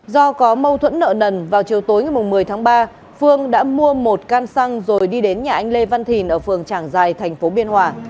do có mâu thuẫn nợ nần vào chiều tối ngày một mươi tháng ba phương đã mua một can xăng rồi đi đến nhà anh lê văn thìn ở phường trảng giài thành phố biên hòa